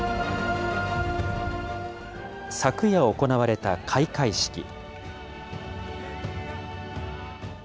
昨夜行われた開会式。